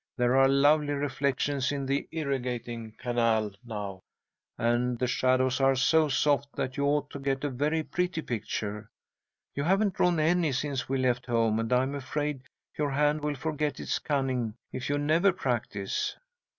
There are lovely reflections in the irrigating canal now, and the shadows are so soft that you ought to get a very pretty picture. You haven't drawn any since we left home, and I'm afraid your hand will forget its cunning if you never practise."